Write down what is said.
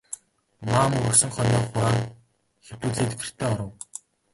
Маам үргэсэн хонио хураан хэвтүүлээд гэртээ оров.